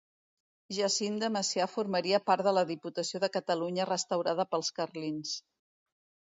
Jacint de Macià formaria part de la Diputació de Catalunya restaurada pels carlins.